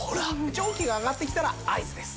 蒸気が上がってきたら合図です。